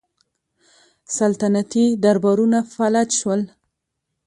سلطنتي دربارونه فلج شول.